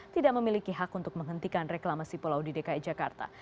tidak memiliki hak untuk menghentikan reklamasi pulau di dki jakarta